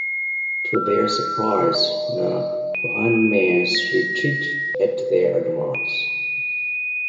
To their surprise, the Bohemians retreated at their advance.